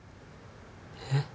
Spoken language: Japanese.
えっ？